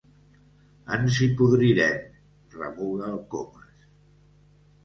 Ens hi podrirem —remuga el Comas.